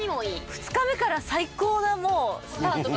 ２日目から最高のスタートが。